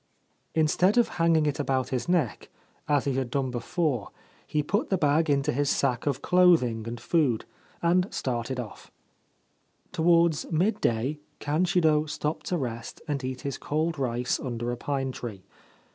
Instead of hanging it about his neck, as he had done 283 ' Ancient Tales and Folklore of Japan before, he put the bag into his sack of clothing and food, and started off. Towards midday Kanshiro stopped to rest and eat his cold rice under a pine tree.